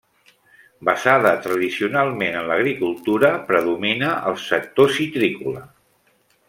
Basada tradicionalment en l'agricultura, predomina el sector citrícola.